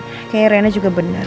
kayaknya rennya juga bener